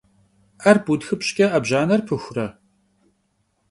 'er butxıpş'ç'e, 'ebjaner pıxure?